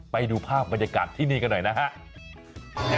ไปดูภาพบรรยากาศที่นี่กันหน่อยนะฮะ